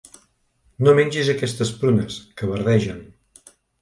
No mengis aquestes prunes, que verdegen.